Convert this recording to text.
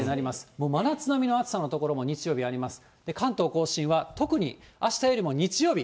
もう真夏並みの暑さの所も日曜日あります。